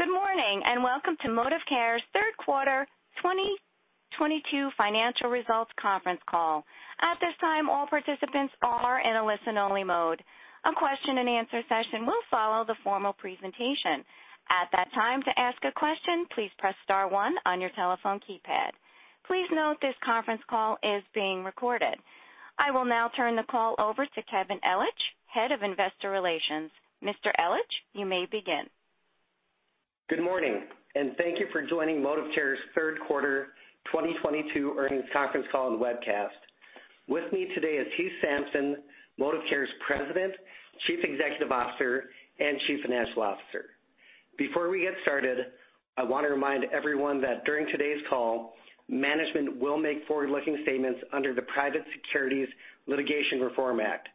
Good morning, and welcome to ModivCare's third quarter 2022 financial results conference call. At this time, all participants are in a listen-only mode. A question-and-answer session will follow the formal presentation. At that time, to ask a question, please press star one on your telephone keypad. Please note this conference call is being recorded. I will now turn the call over to Kevin Ellich, Head of Investor Relations. Mr. Ellich, you may begin. Good morning, and thank you for joining ModivCare's third quarter 2022 earnings conference call and webcast. With me today is Heath Sampson, ModivCare's President, Chief Executive Officer, and Chief Financial Officer. Before we get started, I wanna remind everyone that during today's call, management will make forward-looking statements under the Private Securities Litigation Reform Act.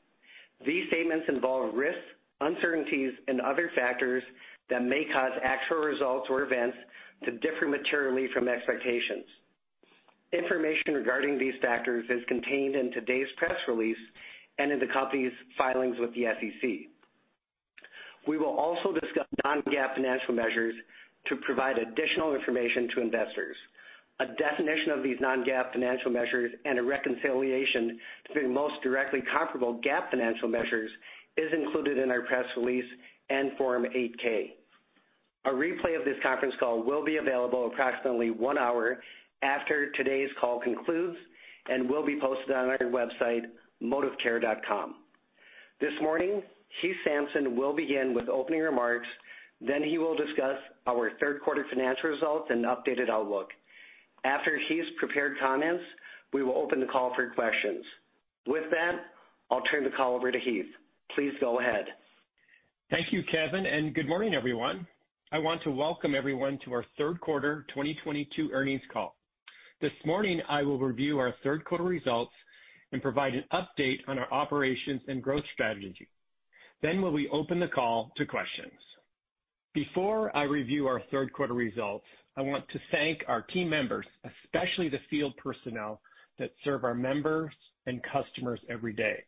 These statements involve risks, uncertainties, and other factors that may cause actual results or events to differ materially from expectations. Information regarding these factors is contained in today's press release and in the company's filings with the SEC. We will also discuss non-GAAP financial measures to provide additional information to investors. A definition of these non-GAAP financial measures and a reconciliation to the most directly comparable GAAP financial measures is included in our press release and Form 8-K. A replay of this conference call will be available approximately one hour after today's call concludes and will be posted on our website, modivcare.com. This morning, Heath Sampson will begin with opening remarks, then he will discuss our third quarter financial results and updated outlook. After Heath's prepared comments, we will open the call for questions. With that, I'll turn the call over to Heath. Please go ahead. Thank you, Kevin, and good morning, everyone. I want to welcome everyone to our third quarter 2022 earnings call. This morning, I will review our third quarter results and provide an update on our operations and growth strategy. We will open the call to questions. Before I review our third quarter results, I want to thank our team members, especially the field personnel that serve our members and customers every day.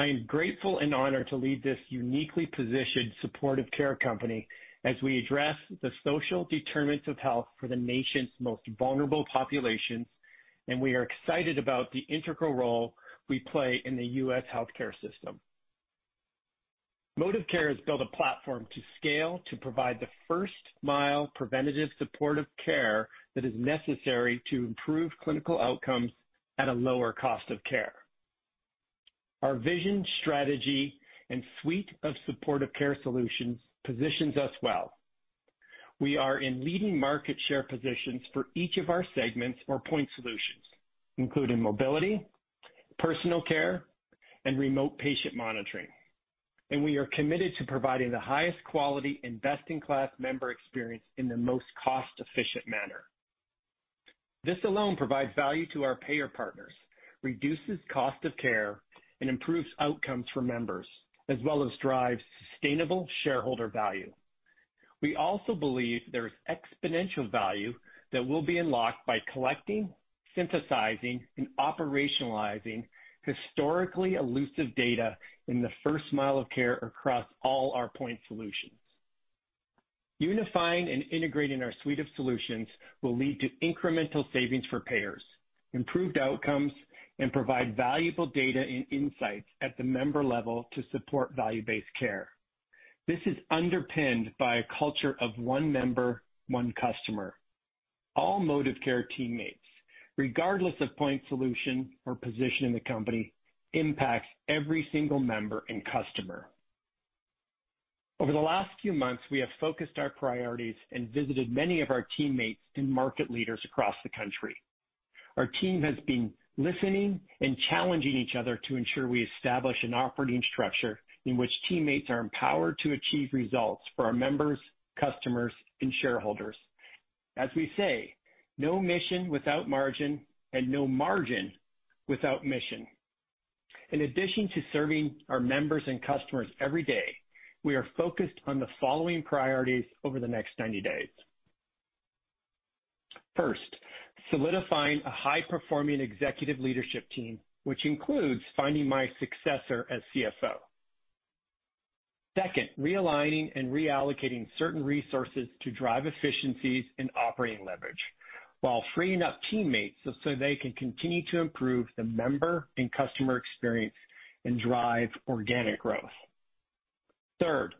I am grateful and honored to lead this uniquely positioned supportive care company as we address the social determinants of health for the nation's most vulnerable populations, and we are excited about the integral role we play in the U.S. healthcare system. ModivCare has built a platform to scale to provide the first-mile preventative supportive care that is necessary to improve clinical outcomes at a lower cost of care. Our vision, strategy, and suite of supportive care solutions positions us well. We are in leading market share positions for each of our segments or point solutions, including mobility, personal care, and remote patient monitoring. We are committed to providing the highest quality and best-in-class member experience in the most cost-efficient manner. This alone provides value to our payer partners, reduces cost of care, and improves outcomes for members, as well as drives sustainable shareholder value. We also believe there is exponential value that will be unlocked by collecting, synthesizing, and operationalizing historically elusive data in the first mile of care across all our point solutions. Unifying and integrating our suite of solutions will lead to incremental savings for payers, improved outcomes, and provide valuable data and insights at the member level to support value-based care. This is underpinned by a culture of one member, one customer. All ModivCare teammates, regardless of point solution or position in the company, impacts every single member and customer. Over the last few months, we have focused our priorities and visited many of our teammates and market leaders across the country. Our team has been listening and challenging each other to ensure we establish an operating structure in which teammates are empowered to achieve results for our members, customers, and shareholders. As we say, no mission without margin, and no margin without mission. In addition to serving our members and customers every day, we are focused on the following priorities over the next 90 days. First, solidifying a high-performing executive leadership team, which includes finding my successor as CFO. Second, realigning and reallocating certain resources to drive efficiencies and operating leverage while freeing up teammates so they can continue to improve the member and customer experience and drive organic growth. Third,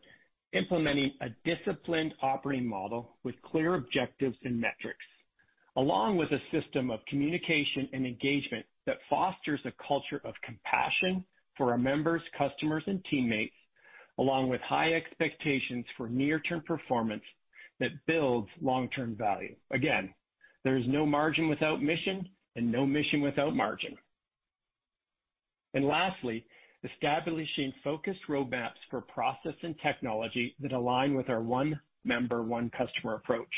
implementing a disciplined operating model with clear objectives and metrics, along with a system of communication and engagement that fosters a culture of compassion for our members, customers, and teammates, along with high expectations for near-term performance that builds long-term value. Again, there is no margin without mission and no mission without margin. Lastly, establishing focused roadmaps for process and technology that align with our one member, one customer approach.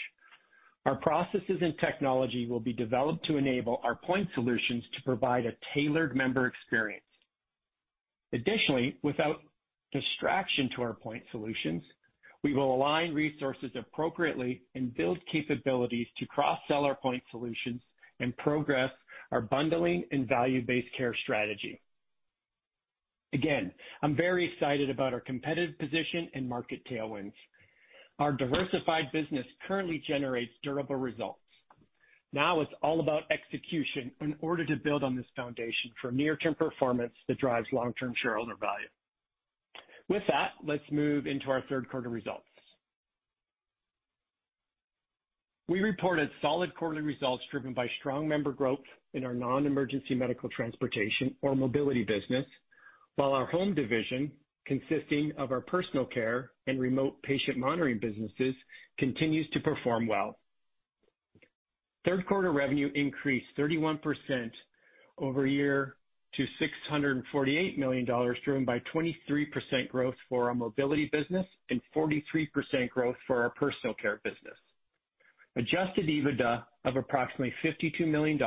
Our processes and technology will be developed to enable our point solutions to provide a tailored member experience. Additionally, without distraction to our point solutions, we will align resources appropriately and build capabilities to cross-sell our point solutions and progress our bundling and value-based care strategy. Again, I'm very excited about our competitive position and market tailwinds. Our diversified business currently generates durable results. Now it's all about execution in order to build on this foundation for near-term performance that drives long-term shareholder value. With that, let's move into our third quarter results. We reported solid quarterly results driven by strong member growth in our non-emergency medical transportation or mobility business, while our home division, consisting of our personal care and remote patient monitoring businesses, continues to perform well. Third quarter revenue increased 31% year-over-year to $648 million, driven by 23% growth for our mobility business and 43% growth for our personal care business. Adjusted EBITDA of approximately $52 million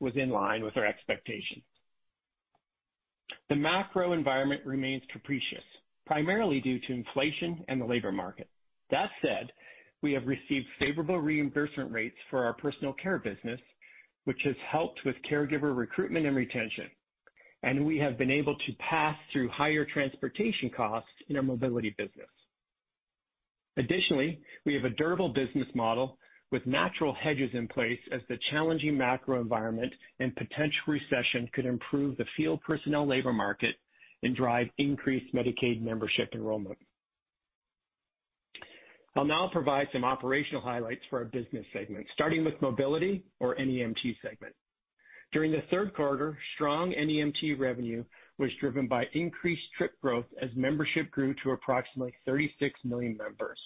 was in line with our expectations. The macro environment remains capricious, primarily due to inflation and the labor market. That said, we have received favorable reimbursement rates for our personal care business, which has helped with caregiver recruitment and retention, and we have been able to pass through higher transportation costs in our mobility business. Additionally, we have a durable business model with natural hedges in place as the challenging macro environment and potential recession could improve the field personnel labor market and drive increased Medicaid membership enrollment. I'll now provide some operational highlights for our business segment, starting with mobility or NEMT segment. During the third quarter, strong NEMT revenue was driven by increased trip growth as membership grew to approximately 36 million members.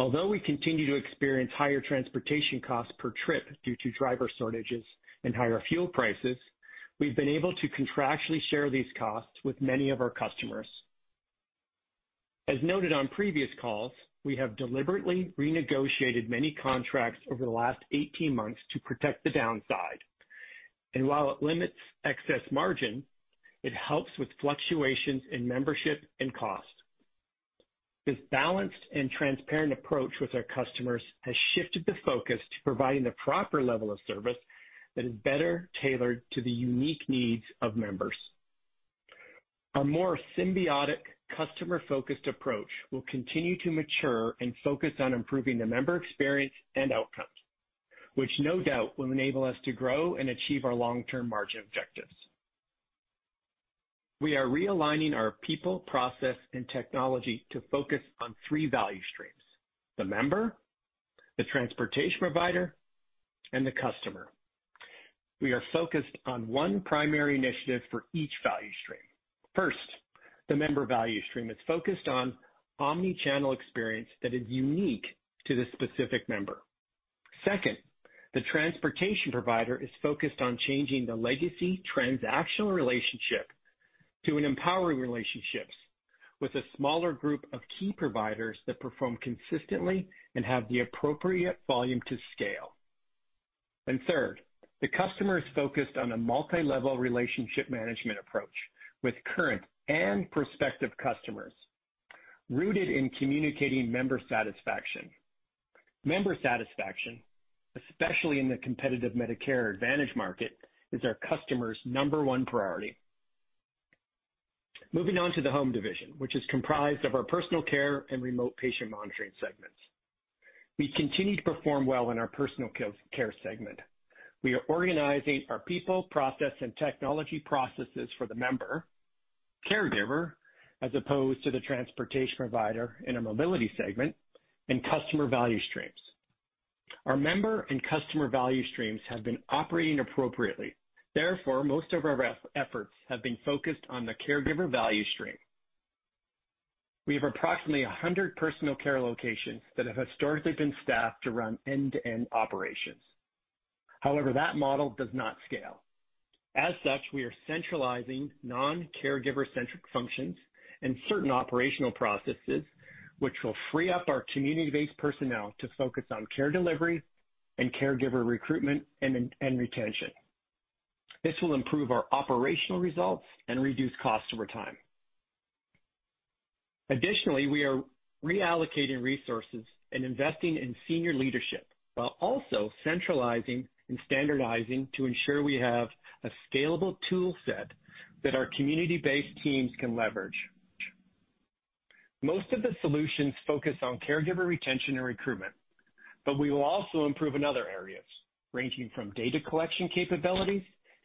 Although we continue to experience higher transportation costs per trip due to driver shortages and higher fuel prices, we've been able to contractually share these costs with many of our customers. As noted on previous calls, we have deliberately renegotiated many contracts over the last 18 months to protect the downside. While it limits excess margin, it helps with fluctuations in membership and cost. This balanced and transparent approach with our customers has shifted the focus to providing the proper level of service that is better tailored to the unique needs of members. A more symbiotic customer-focused approach will continue to mature and focus on improving the member experience and outcomes, which no doubt will enable us to grow and achieve our long-term margin objectives. We are realigning our people, process, and technology to focus on three value streams, the member, the transportation provider, and the customer. We are focused on one primary initiative for each value stream. First, the member value stream is focused on omnichannel experience that is unique to the specific member. Second, the transportation provider is focused on changing the legacy transactional relationship to an empowering relationship with a smaller group of key providers that perform consistently and have the appropriate volume to scale. Third, the customer is focused on a multilevel relationship management approach with current and prospective customers rooted in communicating member satisfaction. Member satisfaction, especially in the competitive Medicare Advantage market, is our customer's number one priority. Moving on to the home division, which is comprised of our personal care and remote patient monitoring segments. We continue to perform well in our personal care segment. We are organizing our people, process, and technology processes for the member, caregiver, as opposed to the transportation provider in our mobility segment, and customer value streams. Our member and customer value streams have been operating appropriately. Therefore, most of our efforts have been focused on the caregiver value stream. We have approximately 100 personal care locations that have historically been staffed to run end-to-end operations. However, that model does not scale. As such, we are centralizing non-caregiver centric functions and certain operational processes, which will free up our community-based personnel to focus on care delivery and caregiver recruitment and retention. This will improve our operational results and reduce costs over time. Additionally, we are reallocating resources and investing in senior leadership while also centralizing and standardizing to ensure we have a scalable tool set that our community-based teams can leverage. Most of the solutions focus on caregiver retention and recruitment, but we will also improve in other areas, ranging from data collection capabilities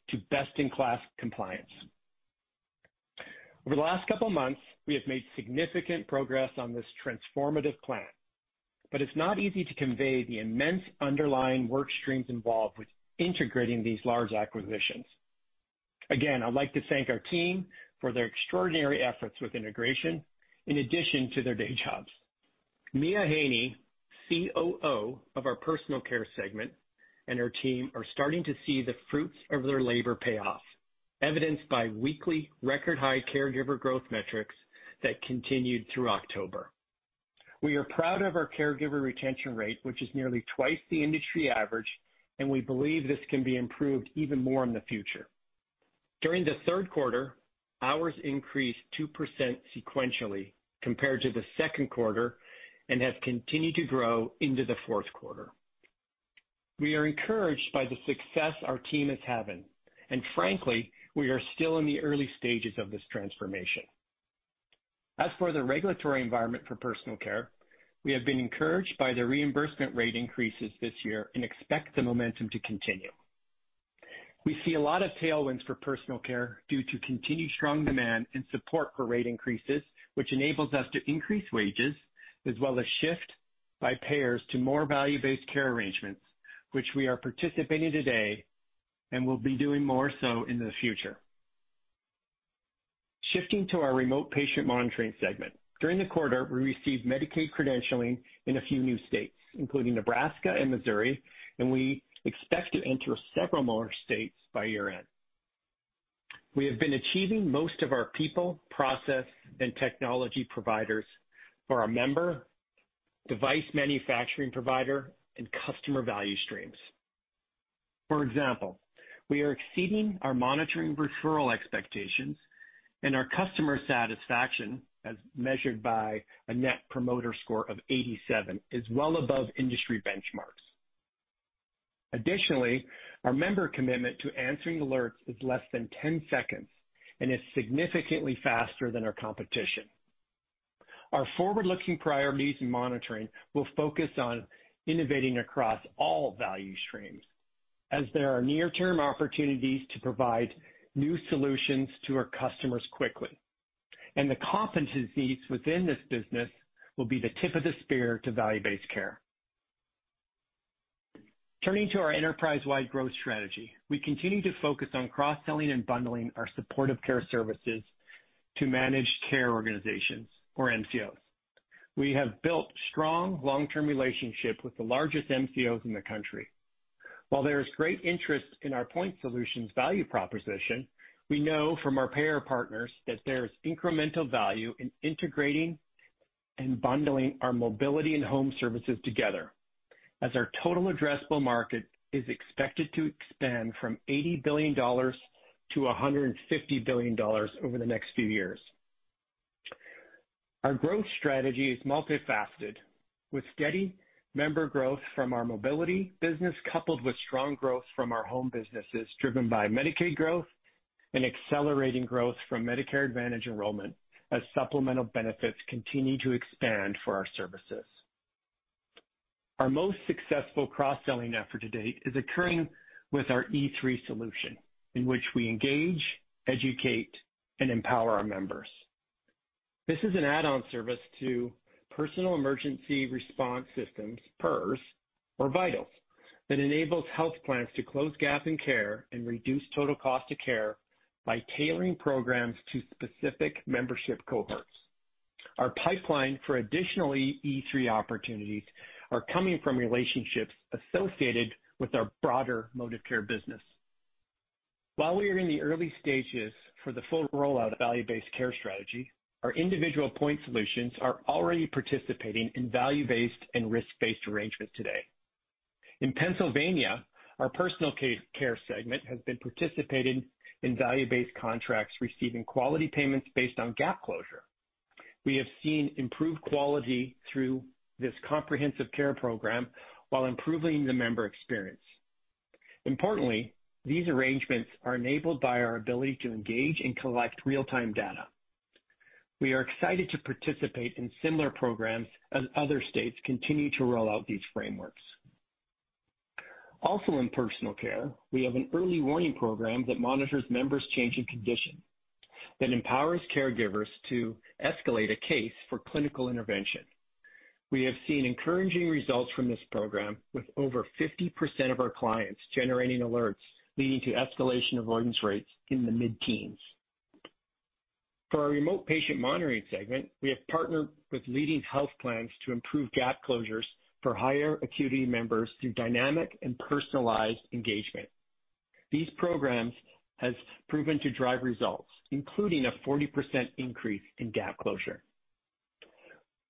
to best-in-class compliance. Over the last couple of months, we have made significant progress on this transformative plan. It's not easy to convey the immense underlying work streams involved with integrating these large acquisitions. Again, I'd like to thank our team for their extraordinary efforts with integration in addition to their day jobs. Mia Haney, COO of our Personal Care segment, and her team are starting to see the fruits of their labor pay off, evidenced by weekly record high caregiver growth metrics that continued through October. We are proud of our caregiver retention rate, which is nearly 2x the industry average, and we believe this can be improved even more in the future. During the third quarter, hours increased 2% sequentially compared to the second quarter and have continued to grow into the fourth quarter. We are encouraged by the success our team is having, and frankly, we are still in the early stages of this transformation. As for the regulatory environment for personal care, we have been encouraged by the reimbursement rate increases this year and expect the momentum to continue. We see a lot of tailwinds for personal care due to continued strong demand and support for rate increases, which enables us to increase wages as well as shift by payers to more value-based care arrangements, which we are participating in today and will be doing more so in the future. Shifting to our remote patient monitoring segment. During the quarter, we received Medicaid credentialing in a few new states, including Nebraska and Missouri, and we expect to enter several more states by year-end. We have been achieving most of our people, process, and technology providers for our member, device manufacturing provider, and customer value streams. For example, we are exceeding our monitoring referral expectations and our customer satisfaction, as measured by a Net Promoter Score of 87, is well above industry benchmarks. Additionally, our member commitment to answering alerts is less than 10 seconds and is significantly faster than our competition. Our forward-looking priorities in monitoring will focus on innovating across all value streams as there are near-term opportunities to provide new solutions to our customers quickly. The competencies within this business will be the tip of the spear to value-based care. Turning to our enterprise-wide growth strategy. We continue to focus on cross-selling and bundling our supportive care services to Managed Care Organizations or MCOs. We have built strong long-term relationship with the largest MCOs in the country. While there is great interest in our point solutions value proposition, we know from our payer partners that there is incremental value in integrating and bundling our mobility and home services together, as our total addressable market is expected to expand from $80 billion-$150 billion over the next few years. Our growth strategy is multifaceted, with steady member growth from our mobility business, coupled with strong growth from our home businesses, driven by Medicaid growth and accelerating growth from Medicare Advantage enrollment as supplemental benefits continue to expand for our services. Our most successful cross-selling effort to date is occurring with our E3 solution, in which we engage, educate, and empower our members. This is an add-on service to personal emergency response systems, PERS, or vitals, that enables health plans to close gaps in care and reduce total cost of care by tailoring programs to specific membership cohorts. Our pipeline for additional E3 opportunities are coming from relationships associated with our broader ModivCare business. While we are in the early stages for the full rollout of value-based care strategy, our individual point solutions are already participating in value-based and risk-based arrangements today. In Pennsylvania, our personal care segment has been participating in value-based contracts, receiving quality payments based on gaps closure. We have seen improved quality through this comprehensive care program while improving the member experience. Importantly, these arrangements are enabled by our ability to engage and collect real-time data. We are excited to participate in similar programs as other states continue to roll out these frameworks. Also, in personal care, we have an early warning program that monitors members' change in condition, that empowers caregivers to escalate a case for clinical intervention. We have seen encouraging results from this program, with over 50% of our clients generating alerts, leading to escalation avoidance rates in the mid-teens. For our remote patient monitoring segment, we have partnered with leading health plans to improve gap closures for higher acuity members through dynamic and personalized engagement. These programs has proven to drive results, including a 40% increase in gap closure.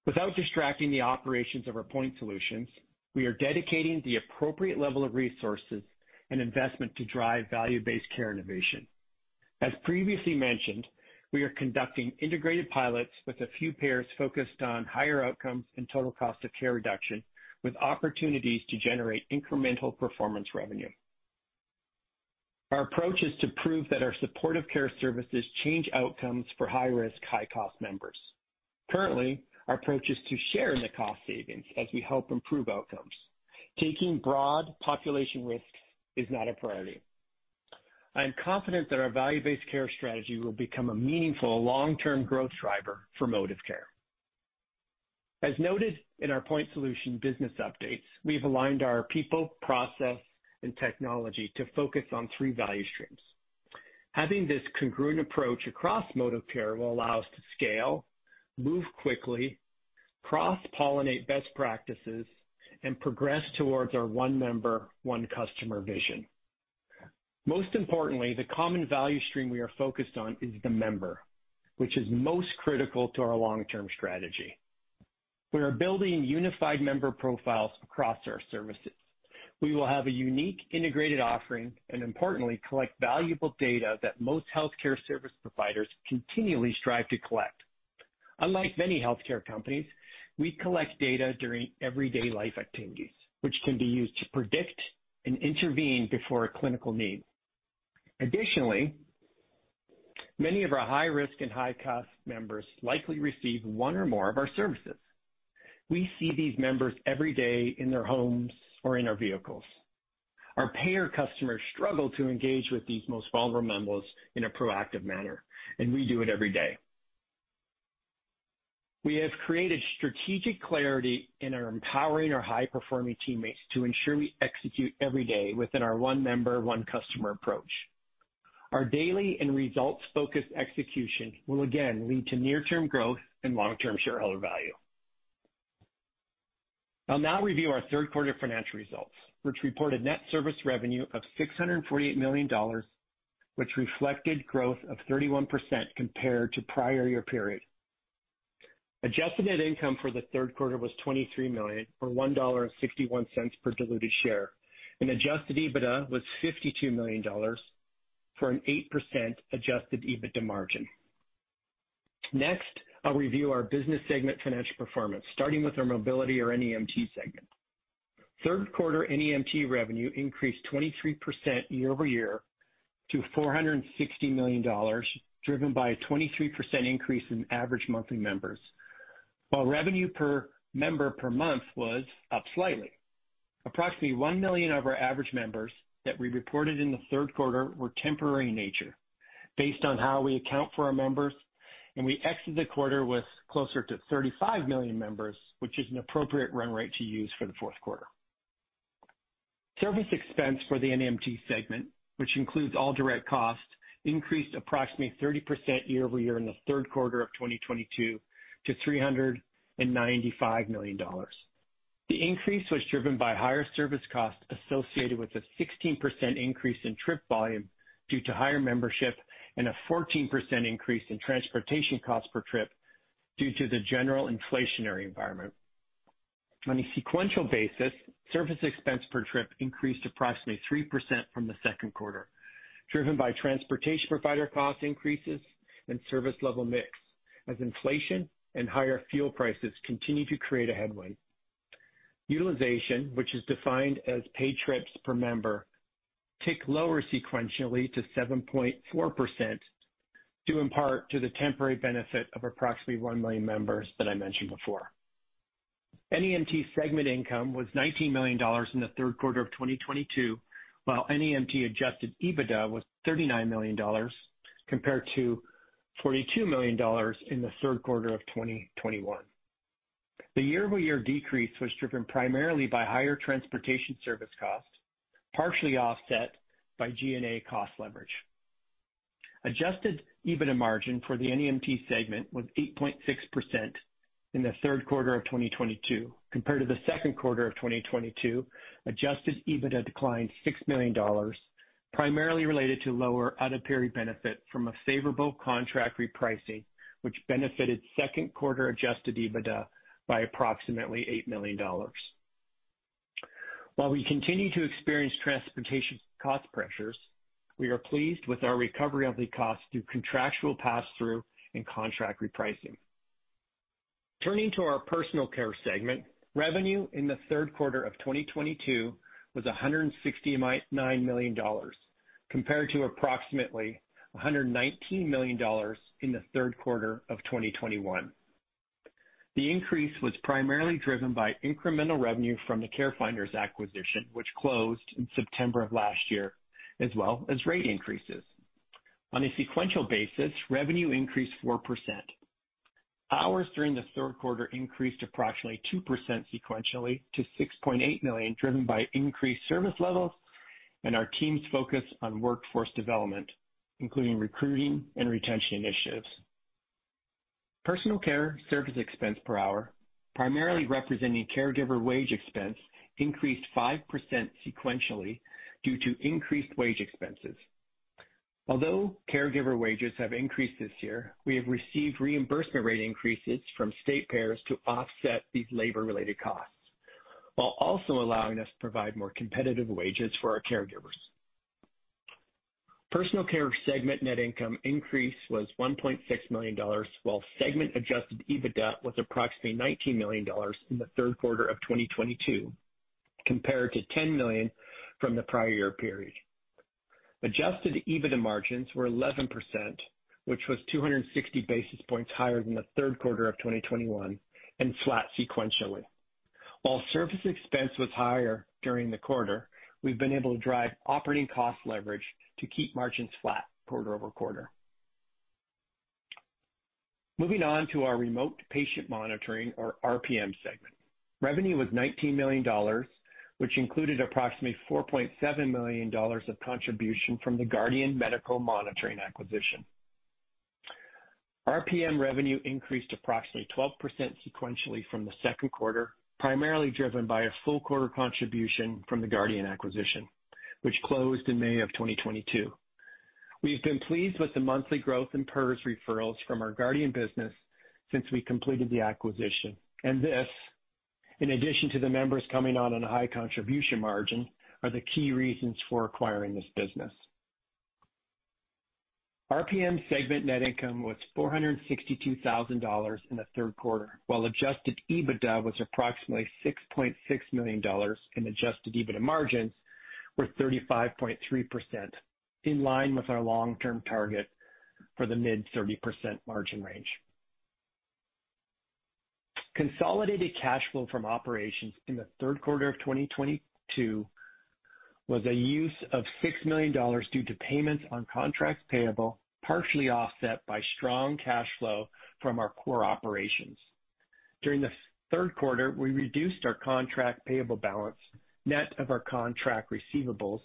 Without distracting the operations of our point solutions, we are dedicating the appropriate level of resources and investment to drive value-based care innovation. As previously mentioned, we are conducting integrated pilots with a few payers focused on higher outcomes and total cost of care reduction, with opportunities to generate incremental performance revenue. Our approach is to prove that our supportive care services change outcomes for high-risk, high-cost members. Currently, our approach is to share in the cost savings as we help improve outcomes. Taking broad population risks is not a priority. I am confident that our value-based care strategy will become a meaningful long-term growth driver for ModivCare. As noted in our point solution business updates, we've aligned our people, process, and technology to focus on three value streams. Having this congruent approach across ModivCare will allow us to scale, move quickly, cross-pollinate best practices, and progress towards our one member, one customer vision. Most importantly, the common value stream we are focused on is the member, which is most critical to our long-term strategy. We are building unified member profiles across our services. We will have a unique integrated offering and importantly, collect valuable data that most healthcare service providers continually strive to collect. Unlike many healthcare companies, we collect data during everyday life activities, which can be used to predict and intervene before a clinical need. Additionally, many of our high risk and high cost members likely receive one or more of our services. We see these members every day in their homes or in our vehicles. Our payer customers struggle to engage with these most vulnerable members in a proactive manner, and we do it every day. We have created strategic clarity and are empowering our high performing teammates to ensure we execute every day within our one member, one customer approach. Our daily and results focused execution will again lead to near-term growth and long-term shareholder value. I'll now review our third quarter financial results, which reported net service revenue of $648 million, which reflected growth of 31% compared to prior year period. Adjusted net income for the third quarter was $23 million, or $1.61 per diluted share, and adjusted EBITDA was $52 million for an 8% adjusted EBITDA margin. Next, I'll review our business segment financial performance, starting with our mobility or NEMT segment. Third quarter NEMT revenue increased 23% year-over-year to $460 million, driven by a 23% increase in average monthly members, while revenue per member per month was up slightly. Approximately 1 million of our average members that we reported in the third quarter were temporary in nature based on how we account for our members, and we exited the quarter with closer to 35 million members, which is an appropriate run rate to use for the fourth quarter. Service expense for the NEMT segment, which includes all direct costs, increased approximately 30% year over year in the third quarter of 2022 to $395 million. The increase was driven by higher service costs associated with a 16% increase in trip volume due to higher membership and a 14% increase in transportation costs per trip due to the general inflationary environment. On a sequential basis, service expense per trip increased approximately 3% from the second quarter, driven by transportation provider cost increases and service level mix as inflation and higher fuel prices continue to create a headwind. Utilization, which is defined as paid trips per member, ticked lower sequentially to 7.4% due in part to the temporary benefit of approximately 1 million members that I mentioned before. NEMT segment income was $19 million in the third quarter of 2022, while NEMT adjusted EBITDA was $39 million compared to $42 million in the third quarter of 2021. The year-over-year decrease was driven primarily by higher transportation service costs, partially offset by G&A cost leverage. Adjusted EBITDA margin for the NEMT segment was 8.6% in the third quarter of 2022 compared to the second quarter of 2022. Adjusted EBITDA declined $6 million, primarily related to lower out-of-period benefit from a favorable contract repricing, which benefited second quarter adjusted EBITDA by approximately $8 million. While we continue to experience transportation cost pressures, we are pleased with our recovery of the cost through contractual pass through and contract repricing. Turning to our personal care segment, revenue in the third quarter of 2022 was $169 million compared to approximately $119 million in the third quarter of 2021. The increase was primarily driven by incremental revenue from the CareFinders acquisition, which closed in September of last year, as well as rate increases. On a sequential basis, revenue increased 4%. Hours during the third quarter increased approximately 2% sequentially to 6.8 million, driven by increased service levels and our team's focus on workforce development, including recruiting and retention initiatives. Personal care service expense per hour, primarily representing caregiver wage expense, increased 5% sequentially due to increased wage expenses. Although caregiver wages have increased this year, we have received reimbursement rate increases from state payers to offset these labor related costs while also allowing us to provide more competitive wages for our caregivers. Personal care segment net income increase was $1.6 million, while segment adjusted EBITDA was approximately $19 million in the third quarter of 2022 compared to $10 million from the prior year period. Adjusted EBITDA margins were 11%, which was 260 basis points higher than the third quarter of 2021 and flat sequentially. While service expense was higher during the quarter, we've been able to drive operating cost leverage to keep margins flat quarter-over-quarter. Moving on to our remote patient monitoring or RPM segment. Revenue was $19 million, which included approximately $4.7 million of contribution from the Guardian Medical Monitoring acquisition. RPM revenue increased approximately 12% sequentially from the second quarter, primarily driven by a full quarter contribution from the Guardian acquisition, which closed in May 2022. We've been pleased with the monthly growth in PERS referrals from our Guardian business since we completed the acquisition, and this, in addition to the members coming on a high contribution margin, are the key reasons for acquiring this business. RPM segment net income was $462,000 in the third quarter, while adjusted EBITDA was approximately $6.6 million, and adjusted EBITDA margins were 35.3%, in line with our long-term target for the mid-30% margin range. Consolidated cash flow from operations in the third quarter of 2022 was a use of $6 million due to payments on contracts payable, partially offset by strong cash flow from our core operations. During the third quarter, we reduced our contract payable balance, net of our contract receivables,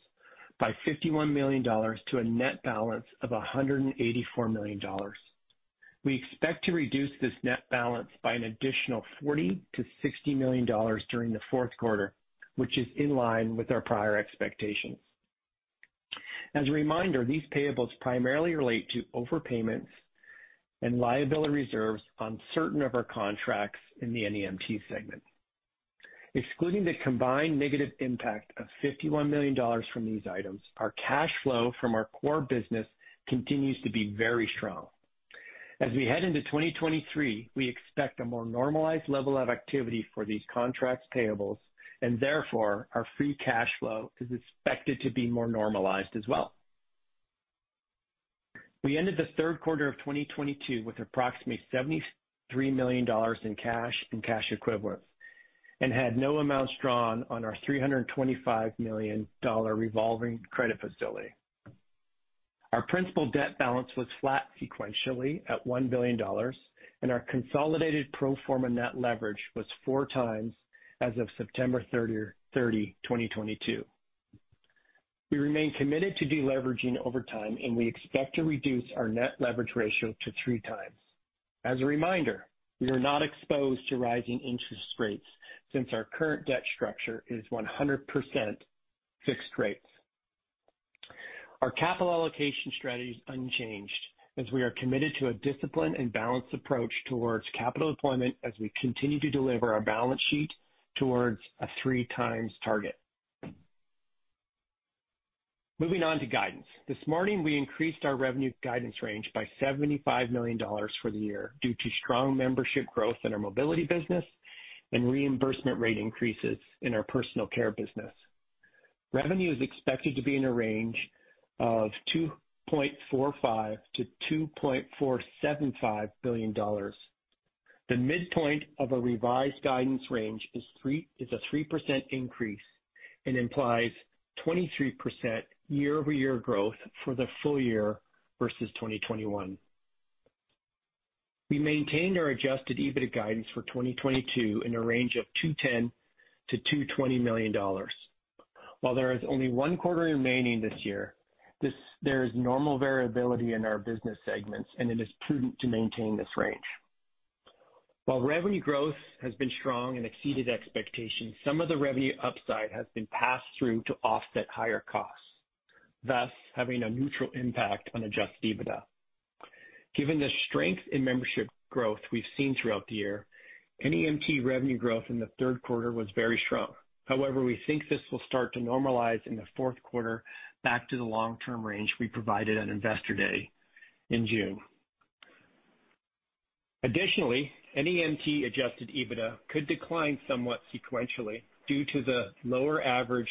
by $51 million to a net balance of $184 million. We expect to reduce this net balance by an additional $40 million-$60 million during the fourth quarter, which is in line with our prior expectations. As a reminder, these payables primarily relate to overpayments and liability reserves on certain of our contracts in the NEMT segment. Excluding the combined negative impact of $51 million from these items, our cash flow from our core business continues to be very strong. As we head into 2023, we expect a more normalized level of activity for these contracts payables, and therefore, our free cash flow is expected to be more normalized as well. We ended the third quarter of 2022 with approximately $73 million in cash and cash equivalents and had no amounts drawn on our $325 million revolving credit facility. Our principal debt balance was flat sequentially at $1 billion, and our consolidated pro forma net leverage was 4x as of September 30, 2022. We remain committed to deleveraging over time, and we expect to reduce our net leverage ratio to 3x. As a reminder, we are not exposed to rising interest rates since our current debt structure is 100% fixed rates. Our capital allocation strategy is unchanged as we are committed to a disciplined and balanced approach towards capital deployment as we continue to deliver our balance sheet towards a 3x target. Moving on to guidance. This morning, we increased our revenue guidance range by $75 million for the year due to strong membership growth in our mobility business and reimbursement rate increases in our personal care business. Revenue is expected to be in a range of $2.45 billion-$2.475 billion. The midpoint of a revised guidance range is a 3% increase and implies 23% year-over-year growth for the full year versus 2021. We maintained our adjusted EBITDA guidance for 2022 in a range of $210 million-$220 million. While there is only one quarter remaining this year, there is normal variability in our business segments, and it is prudent to maintain this range. While revenue growth has been strong and exceeded expectations, some of the revenue upside has been passed through to offset higher costs, thus having a neutral impact on adjusted EBITDA. Given the strength in membership growth we've seen throughout the year, NEMT revenue growth in the third quarter was very strong. However, we think this will start to normalize in the fourth quarter back to the long-term range we provided at Investor Day in June. Additionally, NEMT adjusted EBITDA could decline somewhat sequentially due to the lower average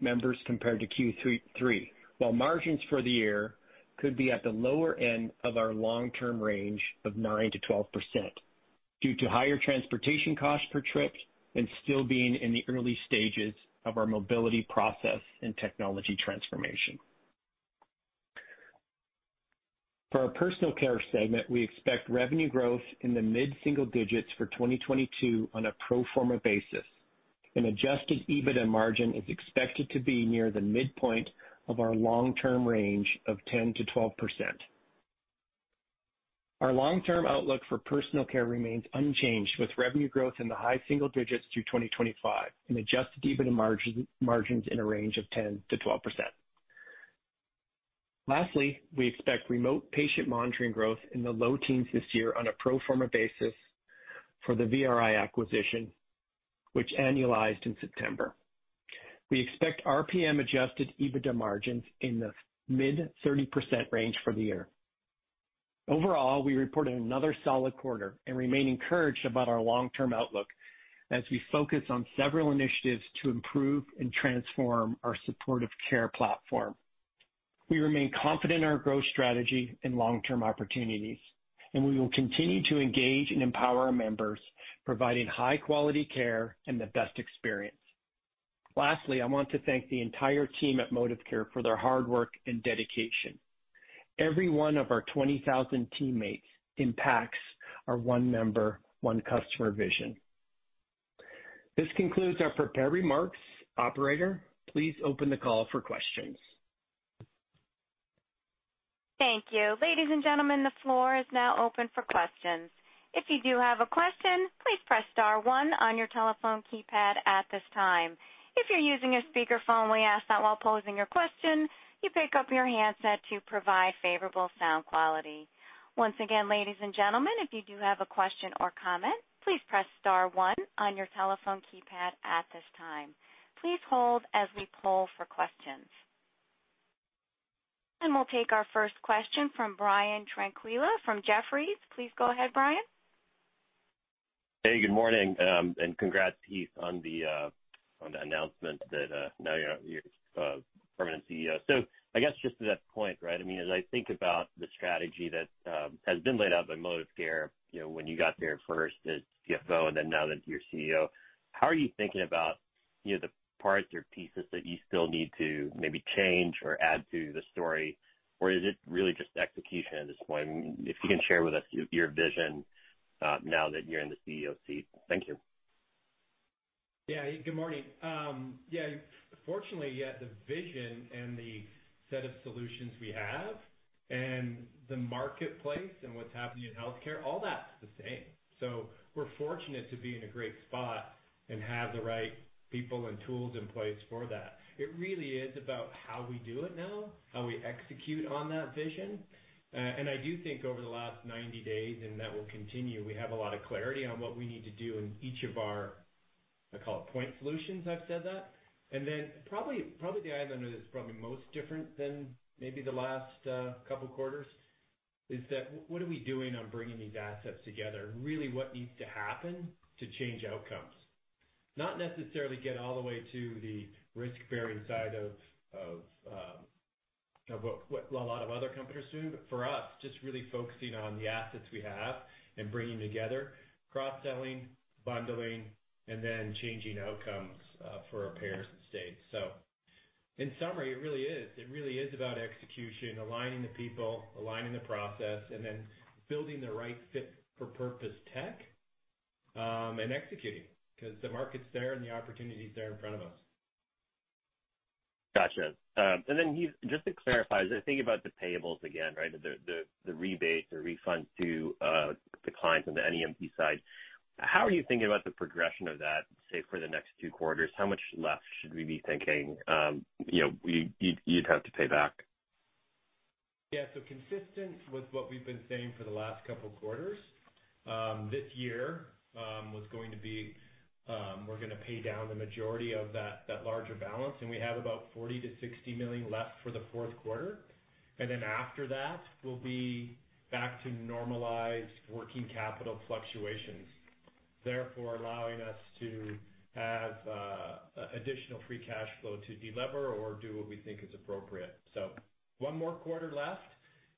members compared to Q3, while margins for the year could be at the lower end of our long-term range of 9%-12% due to higher transportation costs per trip and still being in the early stages of our mobility process and technology transformation. For our personal care segment, we expect revenue growth in the mid-single digits for 2022 on a pro forma basis, and adjusted EBITDA margin is expected to be near the midpoint of our long-term range of 10%-12%. Our long-term outlook for personal care remains unchanged, with revenue growth in the high single digits through 2025 and adjusted EBITDA margins in a range of 10%-12%. Lastly, we expect remote patient monitoring growth in the low teens this year on a pro forma basis for the VRI acquisition, which annualized in September. We expect RPM adjusted EBITDA margins in the mid-30% range for the year. Overall, we reported another solid quarter and remain encouraged about our long-term outlook as we focus on several initiatives to improve and transform our supportive care platform. We remain confident in our growth strategy and long-term opportunities, and we will continue to engage and empower our members, providing high quality care and the best experience. Lastly, I want to thank the entire team at ModivCare for their hard work and dedication. Every one of our 20,000 teammates impacts our one member, one customer vision. This concludes our prepared remarks. Operator, please open the call for questions. Thank you. Ladies and gentlemen, the floor is now open for questions. If you do have a question, please press star one on your telephone keypad at this time. If you're using a speakerphone, we ask that while posing your question, you pick up your handset to provide favorable sound quality. Once again, ladies and gentlemen, if you do have a question or comment, please press star one on your telephone keypad at this time. Please hold as we poll for questions. We'll take our first question from Brian Tanquilut from Jefferies. Please go ahead, Brian. Hey, good morning, and congrats, Heath, on the announcement that now you're permanent CEO. I guess just to that point, right? I mean, as I think about the strategy that has been laid out by ModivCare, you know, when you got there first as CFO and then now that you're CEO, how are you thinking about, you know, the parts or pieces that you still need to maybe change or add to the story? Or is it really just execution at this point? If you can share with us your vision now that you're in the CEO seat. Thank you. Good morning. Fortunately, the vision and the set of solutions we have and the marketplace and what's happening in healthcare, all that's the same. We're fortunate to be in a great spot and have the right people and tools in place for that. It really is about how we do it now, how we execute on that vision. I do think over the last 90 days, and that will continue, we have a lot of clarity on what we need to do in each of our, I call it point solutions. I've said that. Then probably the item that is probably most different than maybe the last couple quarters is that what are we doing on bringing these assets together? Really what needs to happen to change outcomes? Not necessarily get all the way to the risk bearing side of what a lot of other competitors do, but for us, just really focusing on the assets we have and bringing together, cross-selling, bundling, and then changing outcomes for our payers and states. In summary, it really is about execution, aligning the people, aligning the process, and then building the right fit for purpose tech, and executing because the market's there and the opportunity is there in front of us. Gotcha. Heath, just to clarify as I think about the payables again, right? The rebates or refunds to the clients on the NEMT side, how are you thinking about the progression of that, say, for the next two quarters? How much less should we be thinking, you know, you'd have to pay back? Yeah. Consistent with what we've been saying for the last couple quarters, this year was going to be, we're gonna pay down the majority of that larger balance, and we have about $40 million-$60 million left for the fourth quarter. Then after that, we'll be back to normalized working capital fluctuations, therefore allowing us to have additional free cash flow to delever or do what we think is appropriate. One more quarter left,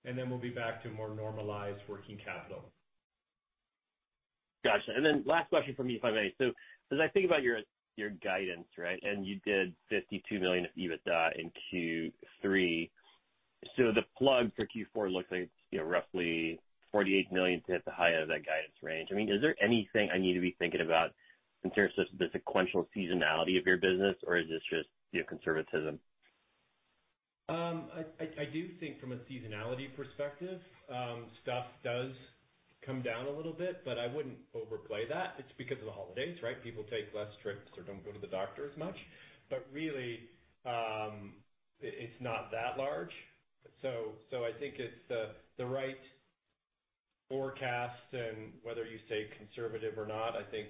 and then we'll be back to more normalized working capital. Gotcha. Last question from me, if I may. As I think about your guidance, right, and you did $52 million of EBITDA in Q3. The plug for Q4 looks like it's, you know, roughly $48 million to hit the high of that guidance range. I mean, is there anything I need to be thinking about in terms of the sequential seasonality of your business, or is this just your conservatism? I do think from a seasonality perspective, stuff does come down a little bit, but I wouldn't overplay that. It's because of the holidays, right? People take less trips or don't go to the doctor as much. Really, it's not that large. I think it's the right forecast. Whether you say conservative or not, I think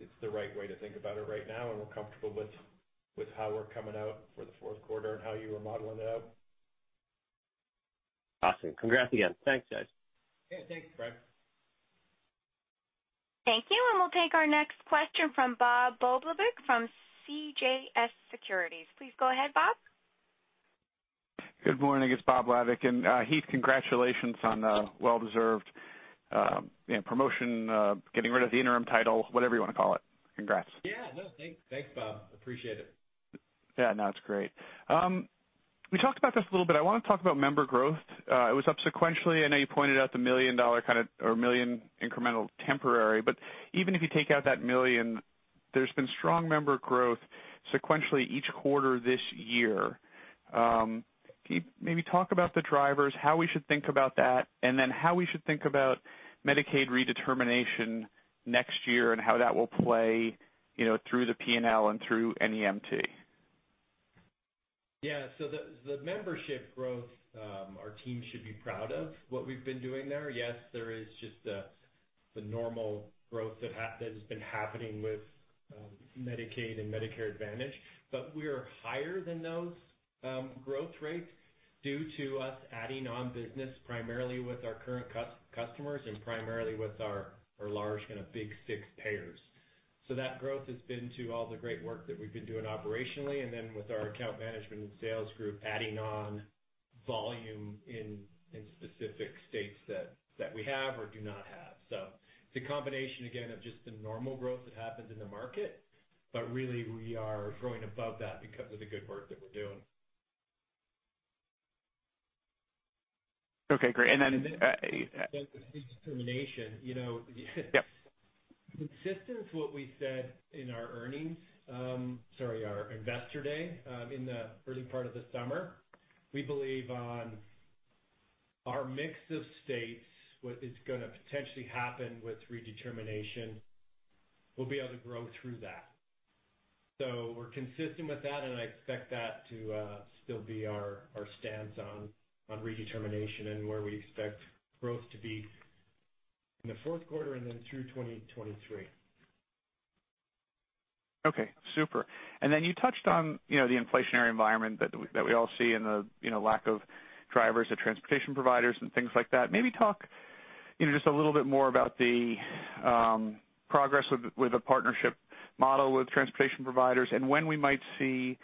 it's the right way to think about it right now, and we're comfortable with how we're coming out for the fourth quarter and how you were modeling it out. Awesome. Congrats again. Thanks, guys. Yeah, thanks, Brian. Thank you. We'll take our next question from Bob Labick from CJS Securities. Please go ahead, Bob. Good morning. It's Bob Labick. Heath, congratulations on the well-deserved, you know, promotion, getting rid of the interim title, whatever you wanna call it. Congrats. Yeah. No, thanks. Thanks, Bob. Appreciate it. Yeah, no, it's great. We talked about this a little bit. I wanna talk about member growth. It was up sequentially. I know you pointed out the 1 million incremental temporary, but even if you take out that million, there's been strong member growth sequentially each quarter this year. Can you maybe talk about the drivers, how we should think about that, and then how we should think about Medicaid redetermination next year and how that will play, you know, through the P&L and through NEMT? Yeah. The membership growth, our team should be proud of what we've been doing there. Yes, there is just the normal growth that has been happening with Medicaid and Medicare Advantage. We're higher than those growth rates due to us adding on business primarily with our current customers and primarily with our large kind of Big Six payers. That growth has been to all the great work that we've been doing operationally and then with our account management and sales group, adding on volume in specific states that we have or do not have. It's a combination, again, of just the normal growth that happens in the market. Really we are growing above that because of the good work that we're doing. Okay, great. Redetermination, you know. Yep. Consistent with what we said in our investor day in the early part of the summer, we believe, on our mix of states, what is gonna potentially happen with redetermination, we'll be able to grow through that. We're consistent with that, and I expect that to still be our stance on redetermination and where we expect growth to be in the fourth quarter and then through 2023. Okay, super. Then you touched on, you know, the inflationary environment that we all see and the, you know, lack of drivers or transportation providers and things like that. Maybe talk, you know, just a little bit more about the progress with a partnership model with transportation providers and when we might see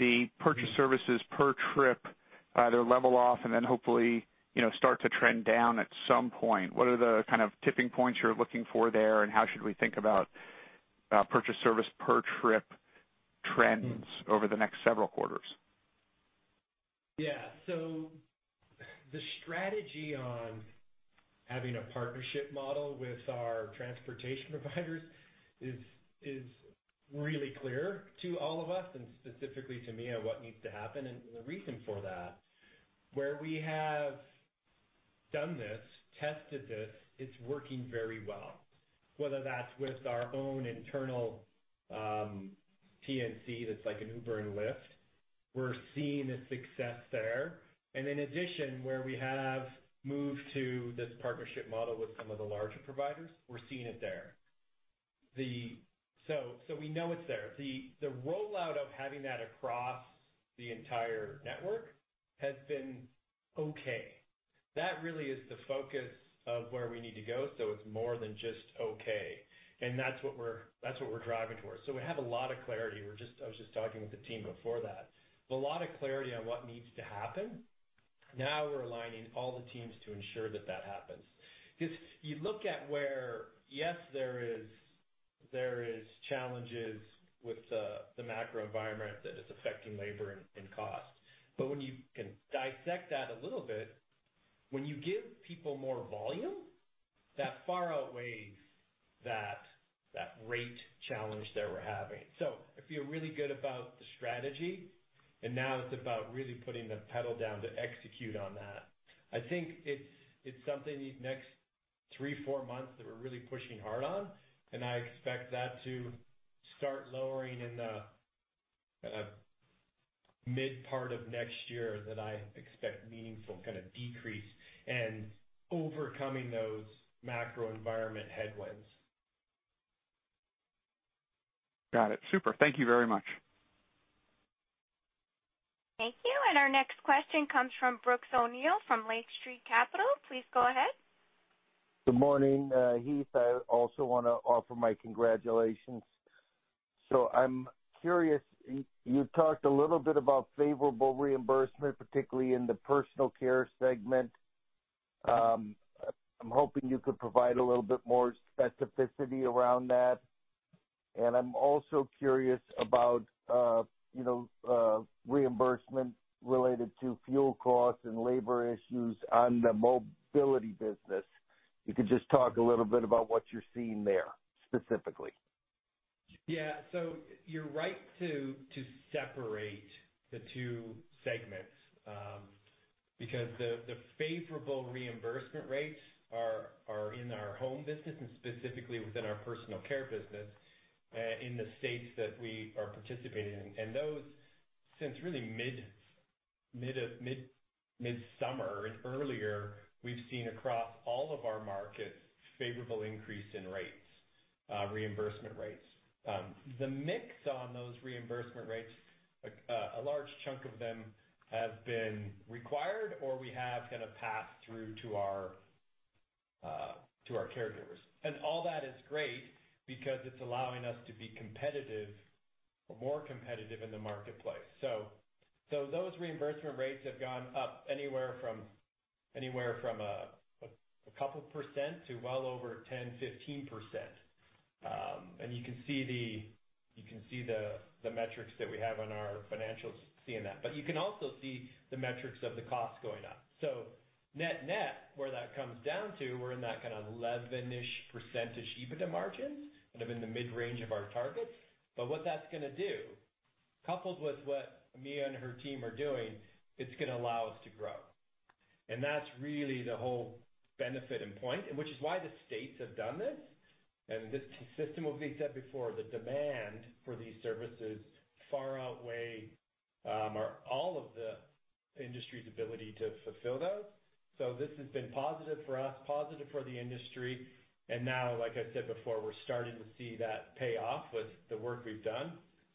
the purchase services per trip either level off and then hopefully, you know, start to trend down at some point. What are the kind of tipping points you're looking for there, and how should we think about purchase service per trip trends over the next several quarters? Yeah. The strategy on having a partnership model with our transportation providers is really clear to all of us and specifically to Mia, what needs to happen and the reason for that. Where we have done this, tested this, it's working very well. Whether that's with our own internal TNC that's like an Uber and Lyft, we're seeing the success there. In addition, where we have moved to this partnership model with some of the larger providers, we're seeing it there. We know it's there. The rollout of having that across the entire network has been okay. That really is the focus of where we need to go, so it's more than just okay. That's what we're driving towards. We have a lot of clarity. I was just talking with the team before that. A lot of clarity on what needs to happen. Now we're aligning all the teams to ensure that that happens. Because you look at where, yes, there are challenges with the macro environment that is affecting labor and cost. When you can dissect that a little bit, when you give people more volume, that far outweighs that rate challenge that we're having. I feel really good about the strategy, and now it's about really putting the pedal down to execute on that. I think it's something these next three, four months that we're really pushing hard on, and I expect that to start lowering in the kind of mid part of next year that I expect meaningful kind of decrease and overcoming those macro environment headwinds. Got it. Super. Thank you very much. Thank you. Our next question comes from Brooks O'Neil from Lake Street Capital. Please go ahead. Good morning, Heath. I also wanna offer my congratulations. I'm curious. You talked a little bit about favorable reimbursement, particularly in the personal care segment. I'm hoping you could provide a little bit more specificity around that. I'm also curious about, you know, reimbursement related to fuel costs and labor issues on the mobility business. If you could just talk a little bit about what you're seeing there, specifically. Yeah. You're right to separate the two segments, because the favorable reimbursement rates are in our home business and specifically within our personal care business in the states that we are participating in. Those, since really midsummer and earlier, we've seen across all of our markets a favorable increase in reimbursement rates. The mix on those reimbursement rates, a large chunk of them have been repriced, or we have kinda passed through to our caregivers. All that is great because it's allowing us to be competitive or more competitive in the marketplace. Those reimbursement rates have gone up anywhere from a couple percent to well over 10%-15%. You can see the metrics that we have on our financials seeing that. But you can also see the metrics of the costs going up. Net-net, where that comes down to, we're in that kinda 11-ish% EBITDA margins, kind of in the mid-range of our targets. What that's gonna do, coupled with what Mia and her team are doing, it's gonna allow us to grow. That's really the whole benefit and point, which is why the states have done this. This system, as we said before, the demand for these services far outweigh or all of the industry's ability to fulfill those. This has been positive for us, positive for the industry. Now, like I said before, we're starting to see that pay off with the work we've done.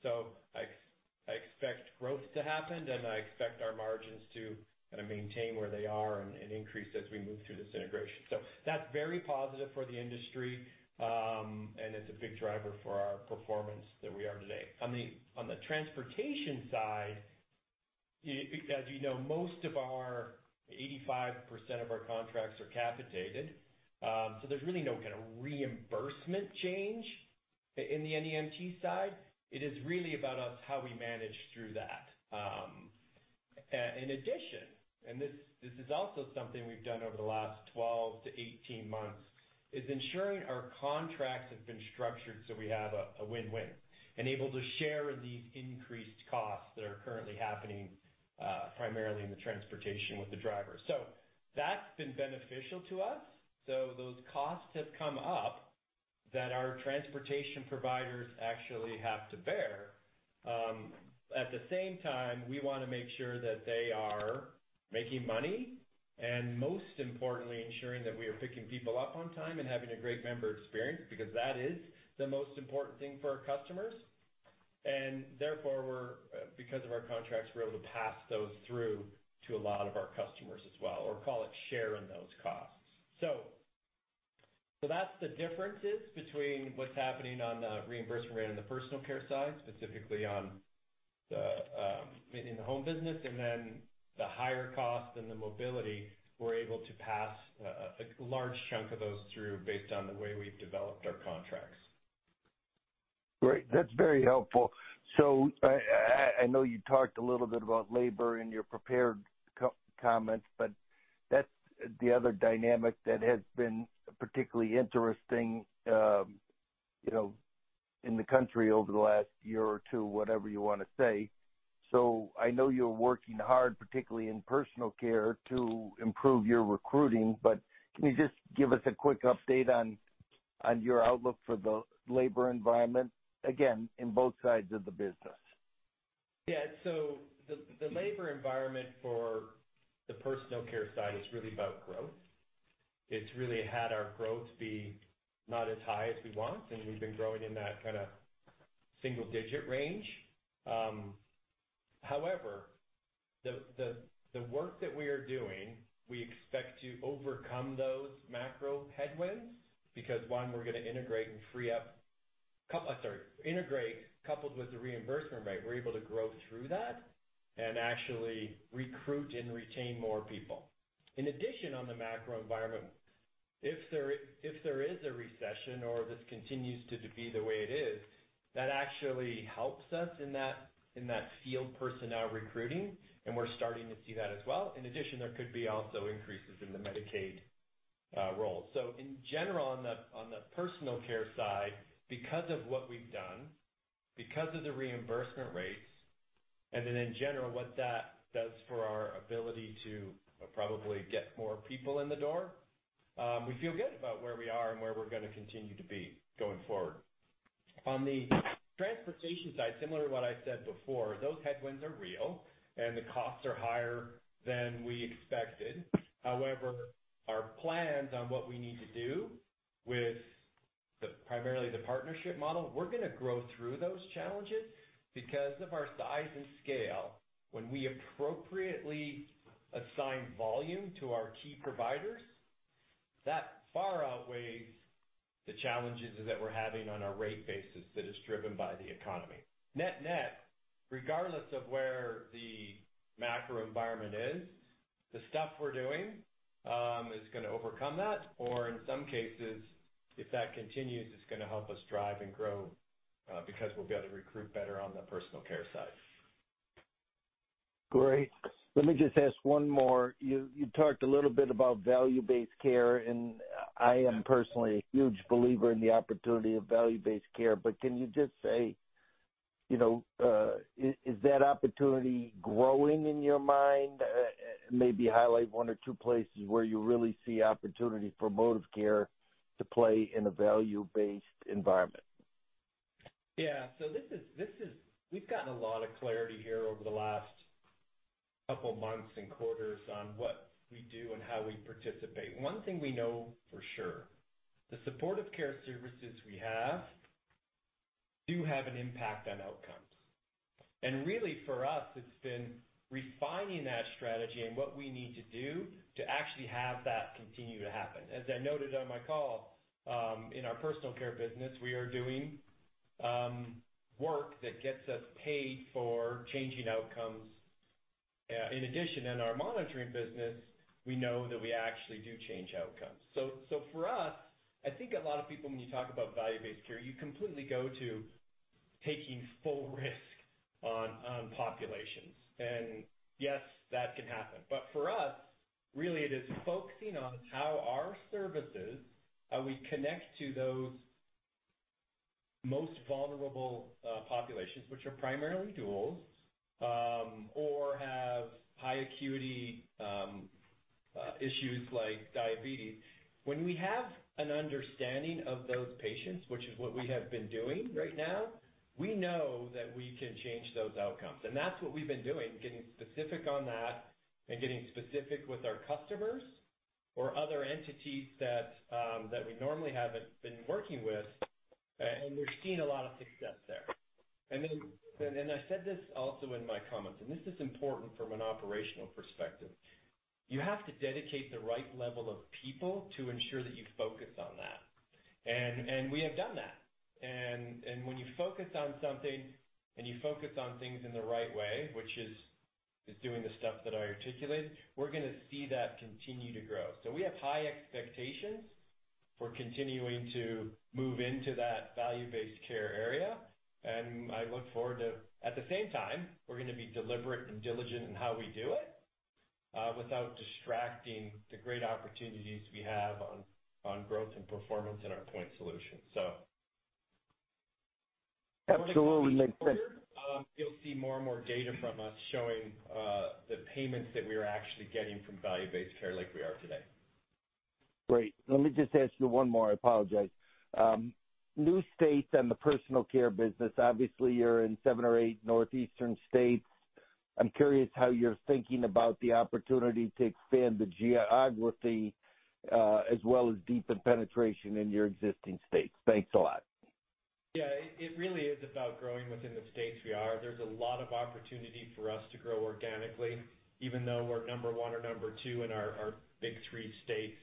I expect growth to happen, and I expect our margins to kinda maintain where they are and increase as we move through this integration. That's very positive for the industry, and it's a big driver for our performance that we are today. On the transportation side, as you know, most of our 85% of our contracts are capitated, so there's really no kinda reimbursement change in the NEMT side. It is really about us, how we manage through that. In addition, this is also something we've done over the last 12-18 months, is ensuring our contracts have been structured so we have a win-win and able to share in these increased costs that are currently happening, primarily in the transportation with the drivers. That's been beneficial to us. Those costs have come up that our transportation providers actually have to bear. At the same time, we wanna make sure that they are making money and most importantly, ensuring that we are picking people up on time and having a great member experience, because that is the most important thing for our customers. Therefore we're, because of our contracts, we're able to pass those through to a lot of our customers as well, or call it share in those costs. That's the differences between what's happening on the reimbursement rate on the personal care side, specifically on the in-home business, and then the higher costs in the mobility, we're able to pass a large chunk of those through based on the way we've developed our contracts. Great. That's very helpful. I know you talked a little bit about labor in your prepared comments, but that's the other dynamic that has been particularly interesting, you know, in the country over the last year or two, whatever you wanna say. I know you're working hard, particularly in personal care, to improve your recruiting, but can you just give us a quick update on your outlook for the labor environment, again, in both sides of the business? The labor environment for the personal care side is really about growth. It's really had our growth be not as high as we want, and we've been growing in that kinda single digit range. However, the work that we are doing, we expect to overcome those macro headwinds because, one, we're gonna integrate coupled with the reimbursement rate. We're able to grow through that and actually recruit and retain more people. In addition, on the macro environment, if there is a recession or this continues to be the way it is, that actually helps us in that field personnel recruiting, and we're starting to see that as well. In addition, there could be also increases in the Medicaid roll. In general, on the personal care side, because of what we've done, because of the reimbursement rates, and then in general, what that does for our ability to probably get more people in the door, we feel good about where we are and where we're gonna continue to be going forward. On the transportation side, similar to what I said before, those headwinds are real and the costs are higher than we expected. However, our plans on what we need to do with the, primarily the partnership model, we're gonna grow through those challenges because of our size and scale. When we appropriately assign volume to our key providers, that far outweighs the challenges that we're having on our rate basis that is driven by the economy. Net-net, regardless of where the macro environment is, the stuff we're doing is gonna overcome that, or in some cases, if that continues, it's gonna help us drive and grow, because we'll be able to recruit better on the personal care side. Great. Let me just ask one more. You talked a little bit about value-based care, and I am personally a huge believer in the opportunity of value-based care. Can you just say, you know, is that opportunity growing in your mind? Maybe highlight one or two places where you really see opportunity for ModivCare to play in a value-based environment. Yeah. We've gotten a lot of clarity here over the last couple months and quarters on what we do and how we participate. One thing we know for sure, the supportive care services we have do have an impact on outcomes. Really for us, it's been refining that strategy and what we need to do to actually have that continue to happen. As I noted on my call, in our personal care business, we are doing work that gets us paid for changing outcomes. In addition, in our monitoring business, we know that we actually do change outcomes. For us, I think a lot of people, when you talk about value-based care, you completely go to taking full risk on populations. Yes, that can happen. For us, really it is focusing on how our services, how we connect to those most vulnerable populations, which are primarily duals, or have high acuity issues like diabetes. When we have an understanding of those patients, which is what we have been doing right now, we know that we can change those outcomes. That's what we've been doing, getting specific on that and getting specific with our customers or other entities that we normally haven't been working with, and we're seeing a lot of success there. Then, I said this also in my comments, and this is important from an operational perspective. You have to dedicate the right level of people to ensure that you focus on that. We have done that. When you focus on something and you focus on things in the right way, which is doing the stuff that I articulated, we're gonna see that continue to grow. We have high expectations for continuing to move into that value-based care area. At the same time, we're gonna be deliberate and diligent in how we do it, without distracting the great opportunities we have on growth and performance in our point solution. Absolutely. You'll see more and more data from us showing the payments that we are actually getting from value-based care like we are today. Great. Let me just ask you one more. I apologize. New states and the personal care business. Obviously, you're in seven or eight northeastern states. I'm curious how you're thinking about the opportunity to expand the geography, as well as deepen penetration in your existing states. Thanks a lot. Yeah, it really is about growing within the states we are. There's a lot of opportunity for us to grow organically, even though we're number one or number two in our big three states.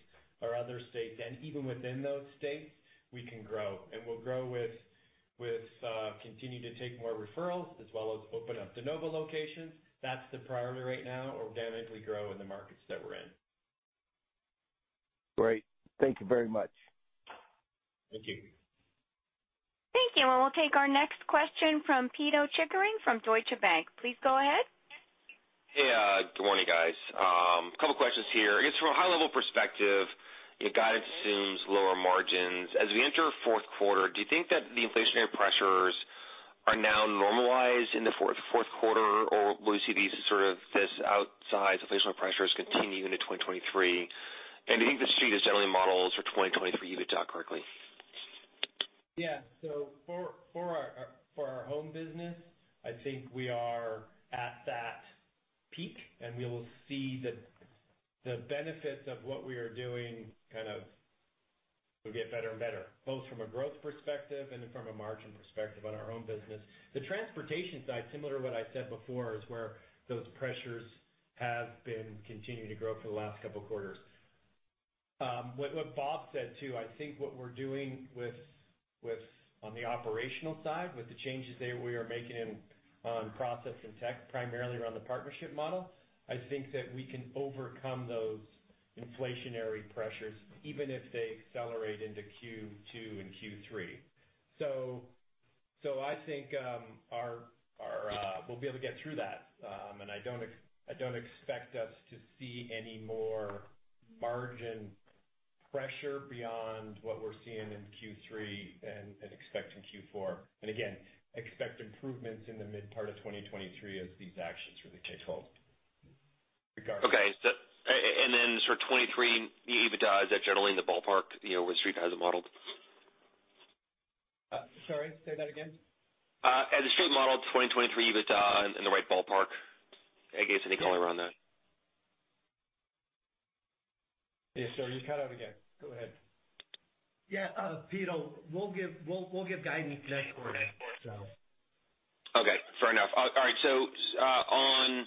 Our other states and even within those states, we can grow, and we'll grow with continuing to take more referrals as well as open up de novo locations. That's the priority right now. Organically grow in the markets that we're in. Great. Thank you very much. Thank you. Thank you. We'll take our next question from Pito Chickering from Deutsche Bank. Please go ahead. Hey, good morning, guys. A couple questions here. I guess from a high level perspective, your guidance assumes lower margins. As we enter fourth quarter, do you think that the inflationary pressures are now normalized in the fourth quarter, or will you see these sort of outside inflationary pressures continue into 2023? And you see is generally modeled for 2023 EBITDA correctly? Yeah. For our home business, I think we are at that peak, and we will see the benefits of what we are doing kind of will get better and better, both from a growth perspective and from a margin perspective on our home business. The transportation side, similar to what I said before, is where those pressures have been continuing to grow for the last couple quarters. What Bob said, too, I think what we're doing with on the operational side, with the changes that we are making on process and tech, primarily around the partnership model, I think that we can overcome those inflationary pressures even if they accelerate into Q2 and Q3. I think we'll be able to get through that. I don't expect us to see any more margin pressure beyond what we're seeing in Q3 and expect in Q4. Expect improvements in the mid part of 2023 as these actions really take hold. Regardless. Okay. Sort of 2023 EBITDA, is that generally in the ballpark, you know, where the Street has it modeled? Sorry, say that again. Has the Street modeled 2023 EBITDA in the right ballpark? I guess any color around that. Yeah. Sorry, you cut out again. Go ahead. Yeah, Pito, we'll give guidance next quarter, so. Okay, fair enough. All right, on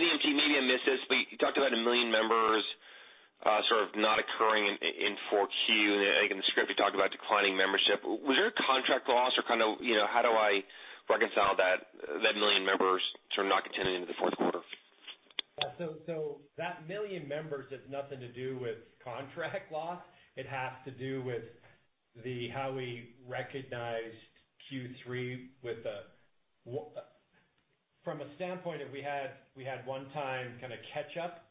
NEMT, maybe I missed this, but you talked about 1 million members sort of not occurring in 4Q. I think in the script, you talked about declining membership. Was there a contract loss or kind of, you know, how do I reconcile that 1 million members sort of not continuing into the fourth quarter? That 1 million members has nothing to do with contract loss. It has to do with how we recognized Q3. From a standpoint of we had one time kinda catch-up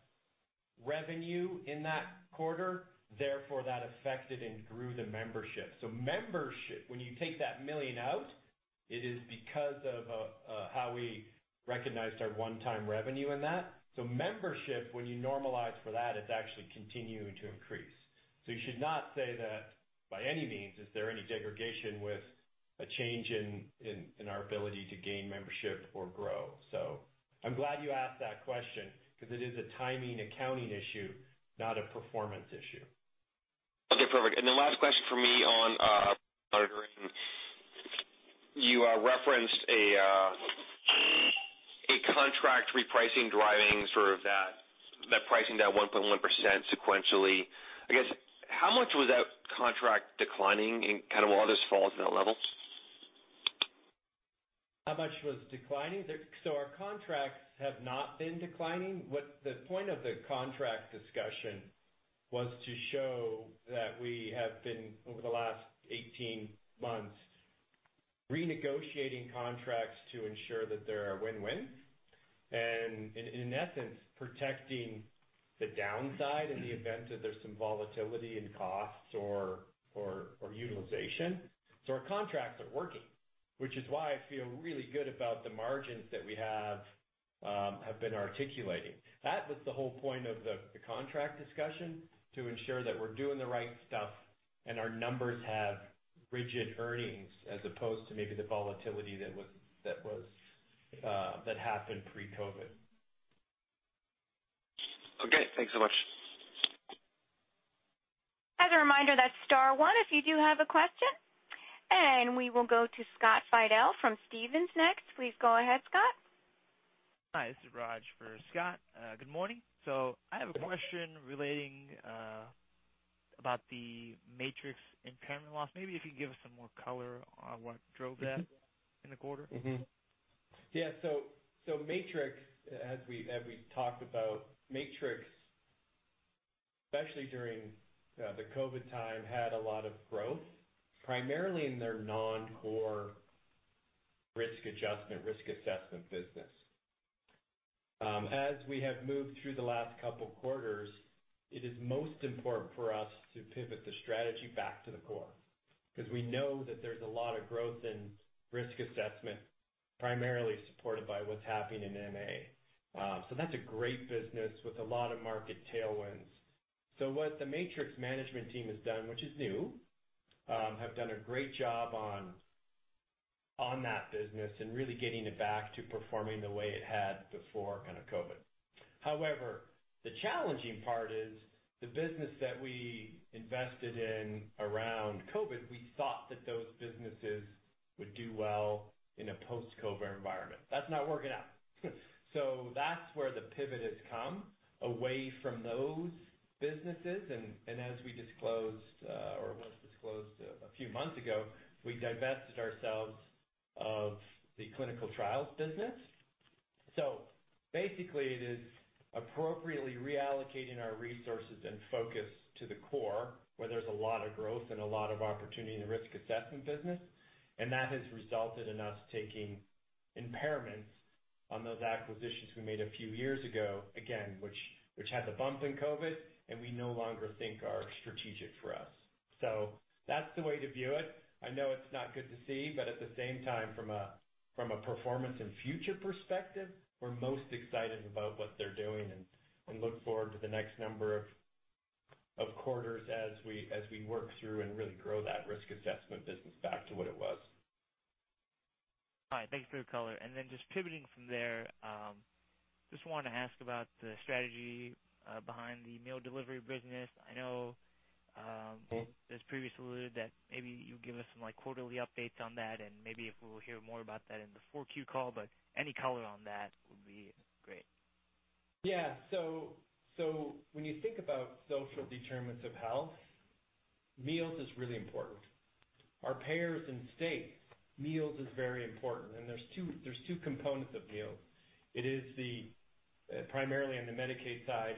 revenue in that quarter, therefore that affected and grew the membership. Membership, when you take that 1 million out, it is because of how we recognized our one-time revenue in that. Membership, when you normalize for that, it's actually continuing to increase. You should not say that by any means is there any degradation with a change in our ability to gain membership or grow. I'm glad you asked that question because it is a timing accounting issue, not a performance issue. Okay, perfect. Last question from me on monitoring. You referenced a contract repricing driving sort of that pricing, that 1.1% sequentially. I guess, how much was that contract declining in kind of all this falls in that level? How much was declining? Our contracts have not been declining. The point of the contract discussion was to show that we have been, over the last 18 months, renegotiating contracts to ensure that they are win-win and in essence, protecting the downside in the event that there's some volatility in costs or utilization. Our contracts are working, which is why I feel really good about the margins that we have been articulating. That was the whole point of the contract discussion, to ensure that we're doing the right stuff and our numbers have rigid earnings as opposed to maybe the volatility that happened pre-COVID. Okay, thanks so much. As a reminder, that's star one if you do have a question. We will go to Scott Fidel from Stephens next. Please go ahead, Scott. Hi, this is Raj for Scott. Good morning. I have a question relating about the Matrix impairment loss. Maybe if you could give us some more color on what drove that in the quarter. Matrix, as we've talked about, Matrix, especially during the COVID time, had a lot of growth, primarily in their non-core risk adjustment, risk assessment business. As we have moved through the last couple quarters, it is most important for us to pivot the strategy back to the core, 'cause we know that there's a lot of growth in risk assessment, primarily supported by what's happening in MA. That's a great business with a lot of market tailwinds. What the Matrix management team has done, which is new, have done a great job on that business and really getting it back to performing the way it had before kind of COVID. However, the challenging part is the business that we invested in around COVID. We thought that those businesses would do well in a post-COVID environment. That's not working out. That's where the pivot has come, away from those businesses. As we disclosed, or was disclosed a few months ago, we divested ourselves of the clinical trials business. Basically, it is appropriately reallocating our resources and focus to the core, where there's a lot of growth and a lot of opportunity in the risk assessment business, and that has resulted in us taking impairments on those acquisitions we made a few years ago, again, which had the bump in COVID, and we no longer think are strategic for us. That's the way to view it. I know it's not good to see, but at the same time, from a performance and future perspective, we're most excited about what they're doing and look forward to the next number of quarters as we work through and really grow that risk assessment business back to what it was. All right. Thanks for the color. Just pivoting from there, just wanted to ask about the strategy behind the meal delivery business. I know, as previously alluded, that maybe you'll give us some like quarterly updates on that, and maybe if we'll hear more about that in the 4Q call, but any color on that would be great. Yeah. When you think about social determinants of health, meals is really important. Our payers in states, meals is very important, and there's two components of meals. It is primarily on the Medicaid side,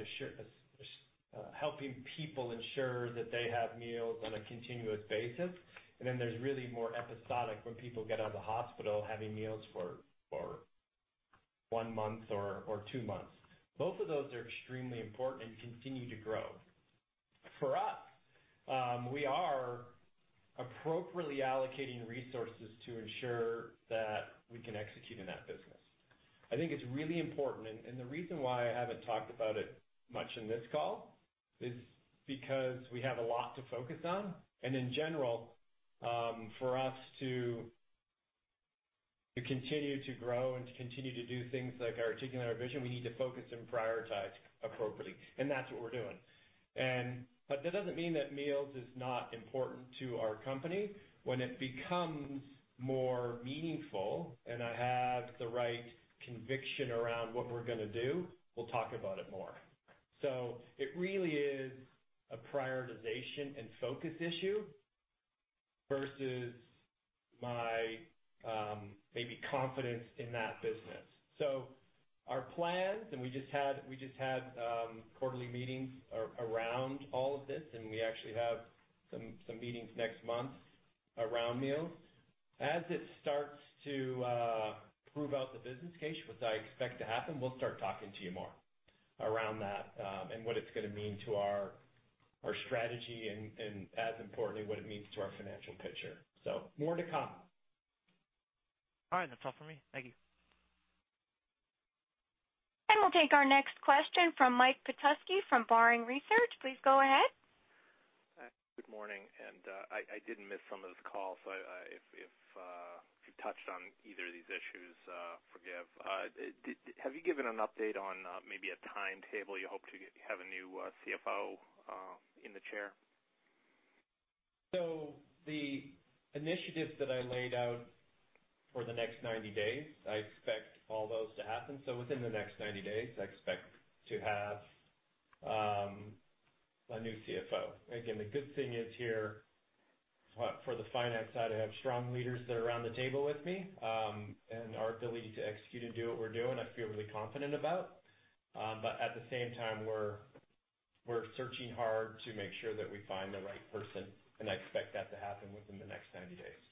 helping people ensure that they have meals on a continuous basis. There's really more episodic when people get out of the hospital, having meals for one month or two months. Both of those are extremely important and continue to grow. For us, we are appropriately allocating resources to ensure that we can execute in that business. I think it's really important, and the reason why I haven't talked about it much in this call is because we have a lot to focus on. In general, for us to continue to grow and to continue to do things like articulating our vision, we need to focus and prioritize appropriately, and that's what we're doing. But that doesn't mean that meals is not important to our company. When it becomes more meaningful and I have the right conviction around what we're gonna do, we'll talk about it more. It really is a prioritization and focus issue versus my maybe confidence in that business. Our plans, and we just had quarterly meetings around all of this, and we actually have some meetings next month around meals. As it starts to prove out the business case, which I expect to happen, we'll start talking to you more around that, and what it's gonna mean to our strategy and as importantly, what it means to our financial picture. More to come. All right. That's all for me. Thank you. We'll take our next question from Mike Petusky from Barrington Research. Please go ahead. Hi. Good morning. I did miss some of this call, so if you touched on either of these issues, forgive. Have you given an update on maybe a timetable you hope to have a new CFO in the chair? The initiatives that I laid out for the next 90 days, I expect all those to happen. Within the next 90 days, I expect to have a new CFO. Again, the good thing is here for the finance side, I have strong leaders that are around the table with me, and our ability to execute and do what we're doing, I feel really confident about. At the same time, we're searching hard to make sure that we find the right person, and I expect that to happen within the next 90 days.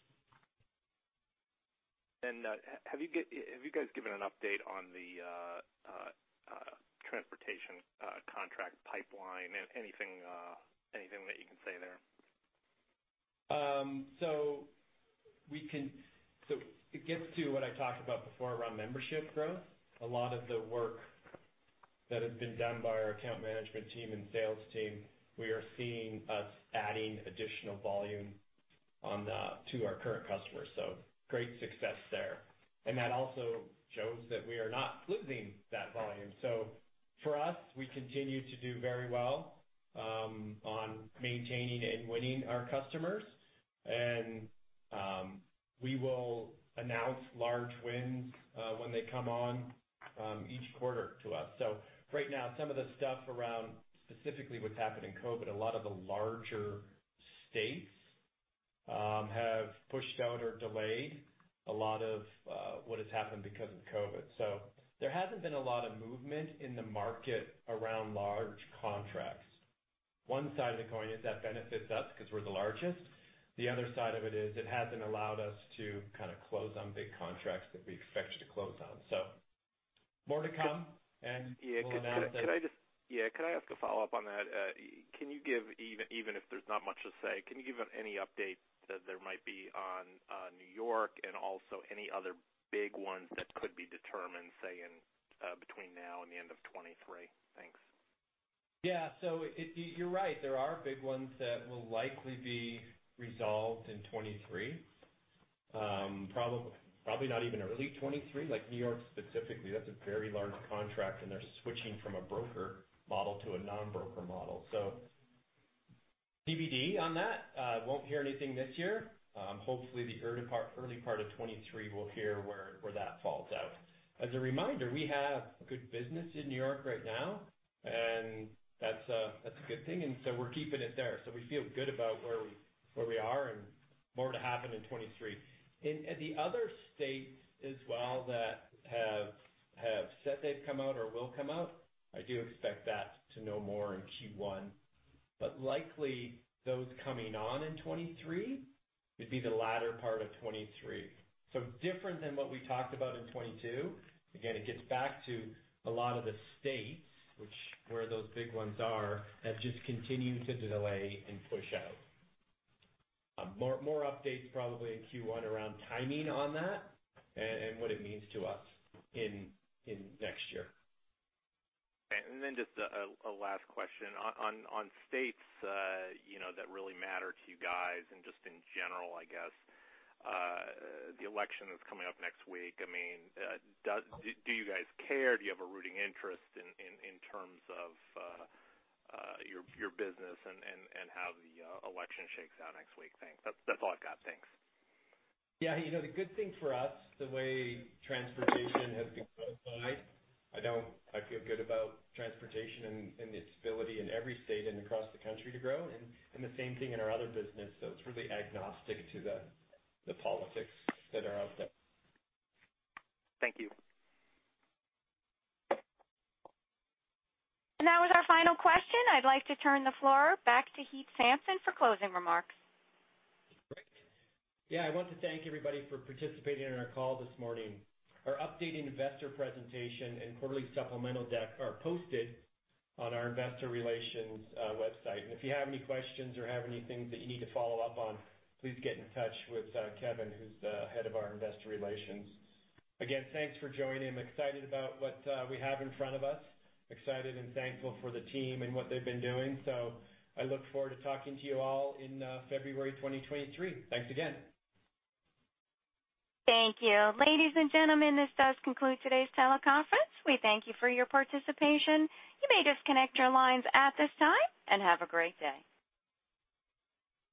Have you guys given an update on the transportation contract pipeline? Anything that you can say there? It gets to what I talked about before around membership growth. A lot of the work that has been done by our account management team and sales team, we are seeing us adding additional volume to our current customers, so great success there. That also shows that we are not losing that volume. For us, we continue to do very well on maintaining and winning our customers. We will announce large wins when they come on each quarter to us. Right now, some of the stuff around specifically what's happened in COVID, a lot of the larger states have pushed out or delayed a lot of what has happened because of COVID. There hasn't been a lot of movement in the market around large contracts. One side of the coin is that benefits us because we're the largest. The other side of it is it hasn't allowed us to kind of close on big contracts that we expect to close on. More to come and we'll announce it. Could I ask a follow-up on that? Can you give, even if there's not much to say, any update that there might be on New York and also any other big ones that could be determined, say, in between now and the end of 2023? Thanks. Yeah. You're right. There are big ones that will likely be resolved in 2023. Probably not even early 2023, like New York specifically. That's a very large contract, and they're switching from a broker model to a non-broker model. TBD on that. Won't hear anything this year. Hopefully, the early part of 2023 we'll hear where that falls out. As a reminder, we have good business in New York right now, and that's a good thing. We're keeping it there. We feel good about where we are, and more to happen in 2023. The other states as well that have said they'd come out or will come out, I do expect to know more in Q1. Likely those coming on in 2023 would be the latter part of 2023. Different than what we talked about in 2022. Again, it gets back to a lot of the states where those big ones are, have just continued to delay and push out. More updates probably in Q1 around timing on that and what it means to us in next year. Okay. Just a last question. On states, you know, that really matter to you guys and just in general, I guess, the election is coming up next week. I mean, do you guys care? Do you have a rooting interest in terms of your business and how the election shakes out next week? Thanks. That's all I've got. Thanks. Yeah. You know, the good thing for us, the way transportation has been codified, I feel good about transportation and its ability in every state and across the country to grow, and the same thing in our other business. It's really agnostic to the politics that are out there. Thank you. That was our final question. I'd like to turn the floor back to Heath Sampson for closing remarks. Great. Yeah, I want to thank everybody for participating in our call this morning. Our updated investor presentation and quarterly supplemental deck are posted on our investor relations website. If you have any questions or have anything that you need to follow up on, please get in touch with Kevin, who's the head of our Investor Relations. Again, thanks for joining. I'm excited about what we have in front of us, excited and thankful for the team and what they've been doing. I look forward to talking to you all in February 2023. Thanks again. Thank you. Ladies and gentlemen, this does conclude today's teleconference. We thank you for your participation. You may disconnect your lines at this time, and have a great day.